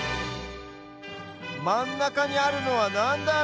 まんなかにあるのはなんだろ？